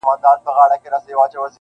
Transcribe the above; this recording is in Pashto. خو درد لا هم شته تل,